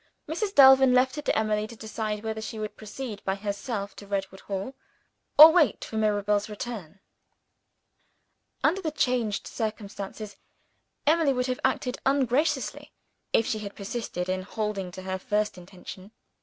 Mrs. Delvin left it to Emily to decide whether she would proceed by herself to Redwood Hall, or wait for Mirabel's return. Under the changed circumstances, Emily would have acted ungraciously if she had persisted in holding to her first intention.